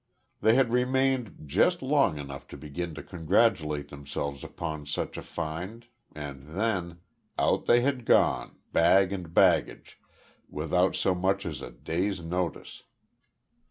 They had remained just long enough to begin to congratulate themselves upon such a find and then out they had gone, bag and baggage, without so much as a day's notice.